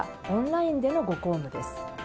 オンラインでのご公務です。